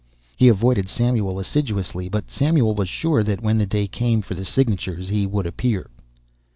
He avoided Samuel assiduously, but Samuel was sure that when the day came for the signatures he would appear.